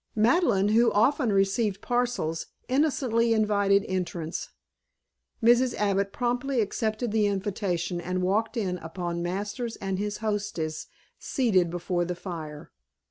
Madeleine, who often received parcels, innocently invited entrance. Mrs. Abbott promptly accepted the invitation and walked in upon Masters and his hostess seated before the fire.